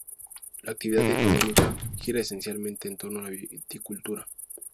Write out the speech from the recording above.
La actividad económica gira esencialmente en torno a la viticultura.